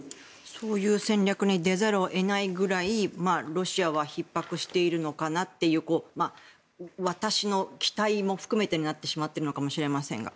そういう戦略に出ざるを得ないくらいロシアはひっ迫しているのかなっていう私の期待も含めてになってるのかもしれませんが。